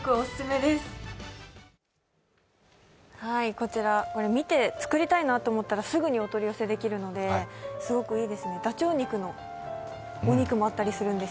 こちら、見て作りたいなと思ったらすぐにお取り寄せできるので、すごくいいですね、ダチョウ肉のレシピもあったりするんです。